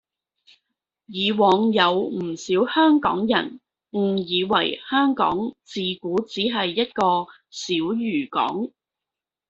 以往有唔少香港人誤以為香港自古只係一個小漁港